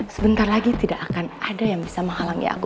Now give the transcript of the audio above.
sebentar lagi tidak akan ada yang bisa menghalangi aku